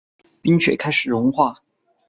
冰雪开始融化